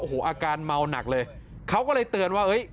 โอ้โหอาการเมาหนักเลยเขาก็เลยเตือนว่าเฮ้ย